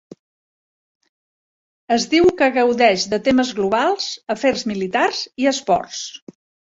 Es diu que gaudeix de temes globals, afers militars i esports.